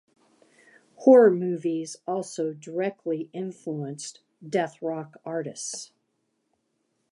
Horror movies also directly influenced deathrock artists.